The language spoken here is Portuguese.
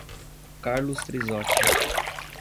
Carlos Trizoti